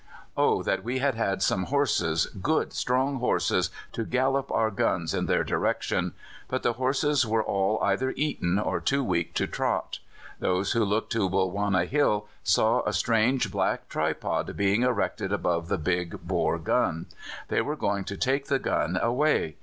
Oh! that we had had some horses, good strong horses, to gallop our guns in their direction. But the horses were all either eaten or too weak to trot. Those who looked to Bulwana Hill saw a strange black tripod being erected above the big Boer gun: they were going to take the gun away.